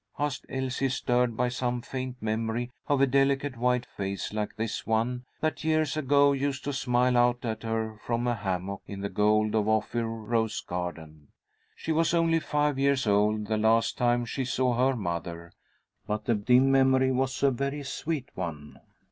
asked Elsie, stirred by some faint memory of a delicate white face like this one, that years ago used to smile out at her from a hammock in the Gold of Ophir rose garden. She was only five years old the last time she saw her mother, but the dim memory was a very sweet one.